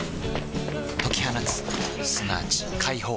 解き放つすなわち解放